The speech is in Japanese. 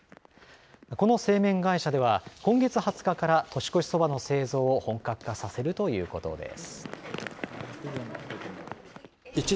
この製麺会社では、今月２０日から年越しそばの製造を本格化させるということです。